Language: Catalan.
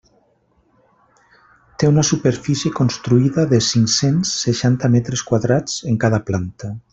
Té una superfície construïda de cinc-cents seixanta metres quadrats en cada planta.